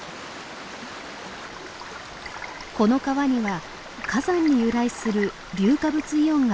この川には火山に由来する硫化物イオンが溶け込んでいます。